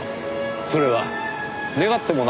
それは願ってもない事です。